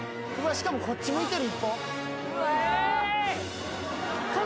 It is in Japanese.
しかもこっち向いてる１本ウエーイ！